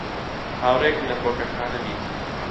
هاوڕێیەکم لە فڕۆکەخانە دیت.